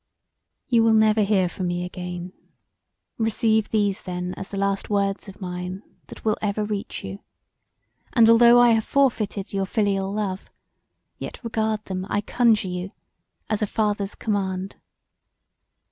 "You will never hear from me again: receive these then as the last words of mine that will ever reach you; and although I have forfeited your filial love, yet regard them I conjure you as a father's command.